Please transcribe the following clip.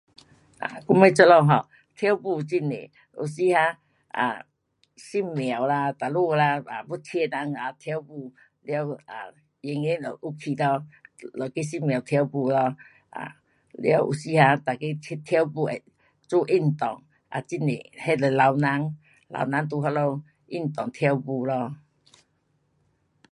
我们这里 um 跳舞很多，有时 um 啊神庙啦，哪里啦，要请人啊跳舞，了，啊演员就要去到那个神庙跳舞咯，啊，了有时 um 每个去跳舞也做运动。啊很多，那就老人，老人在那里运动跳舞咯。